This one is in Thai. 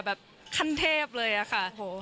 แบบขั้นเทพเลยอะค่ะ